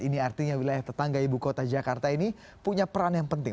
ini artinya wilayah tetangga ibu kota jakarta ini punya peran yang penting